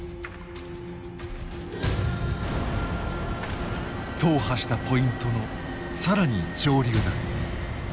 踏破したポイントの更に上流だ。